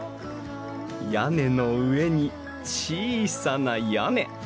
屋根の上に小さな屋根。